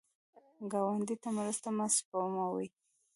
ګاونډي ته مرسته مه سپموه